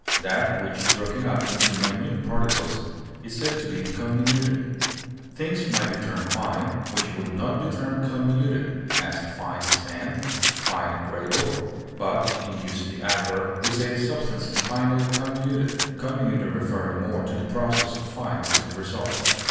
That which is broken up into minute particles is said to be comminuted; things may be termed fine which would not be termed comminuted; as, fine sand; fine gravel; but, in using the adverb, we say a substance is finely comminuted, comminuted referring more to the process, fine to the result.